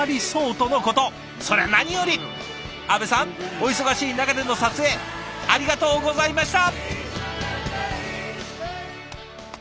お忙しい中での撮影ありがとうございました！